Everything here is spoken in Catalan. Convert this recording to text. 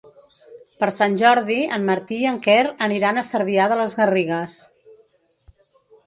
Per Sant Jordi en Martí i en Quer aniran a Cervià de les Garrigues.